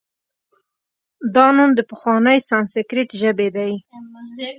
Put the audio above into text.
دا نوم د پخوانۍ سانسکریت ژبې دی